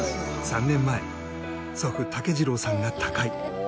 ３年前祖父武次郎さんが他界。